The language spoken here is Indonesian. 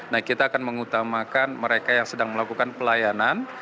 nah kita akan mengutamakan mereka yang sedang melakukan pelayanan